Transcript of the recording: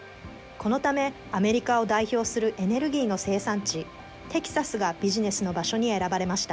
このため、アメリカを代表するエネルギーの生産地、テキサスがビジネスの場所に選ばれました。